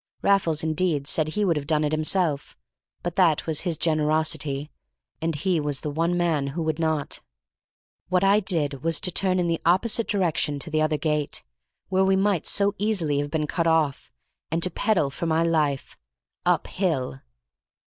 Raffles, indeed, said he would have done it himself, but that was his generosity, and he was the one man who would not. What I did was to turn in the opposite direction to the other gate, where we might so easily have been cut off, and to pedal for my life—up hill!